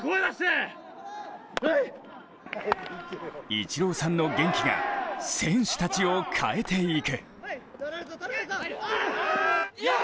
イチローさんの元気が選手たちを変えていく。